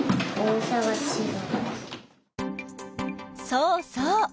そうそう！